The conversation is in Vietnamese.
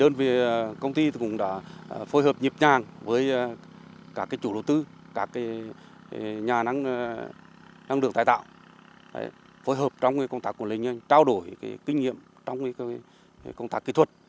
năng lượng tài tạo phối hợp trong công tác của linh nhân trao đổi kinh nghiệm trong công tác kỹ thuật